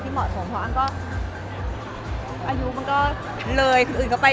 ไม่ได้สอนแม่ยงก็เดินไปเดินมา